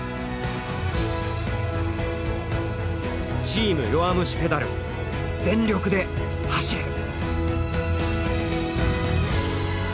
「チーム弱虫ペダル」全力で走れ！